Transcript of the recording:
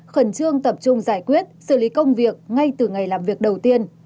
khẩn trương tập trung giải quyết xử lý công việc ngay từ ngày làm việc đầu tiên